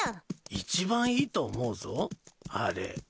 一番いいと思うぞあれ。